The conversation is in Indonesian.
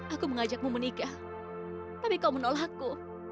aku mengajakmu menikah tapi kau menolakku